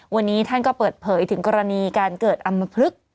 วันนี้ท่านก็เปิดเผยถึงกรณีการเกิดอำมพลึก